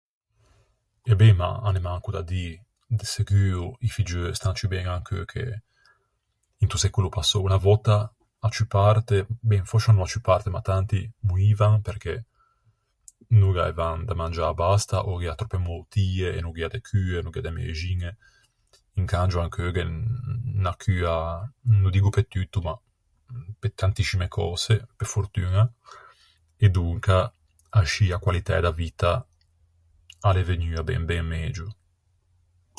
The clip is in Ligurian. E ben, ma a n'é manco da dî, de seguo i figgeu stan ciù ben ancheu che into secolo passou. Unna vòtta a ciù parte, ben, fòscia no a ciù parte, ma tanti moivan perché no gh'aivan da mangiâ abasta, ò gh'ea tròppe moutie, e no gh'ea de cue, no gh'ea de mëxiñe. Incangio ancheu gh'é unna cua no diggo pe tutto ma pe tantiscime cöse, pe fortuña, e donca ascì a qualitæ da vitta a l'é vegnua ben ben megio.